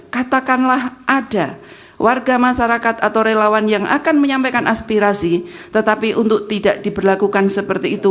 katakanlah ada warga masyarakat atau relawan yang akan menyampaikan aspirasi tetapi untuk tidak diberlakukan seperti itu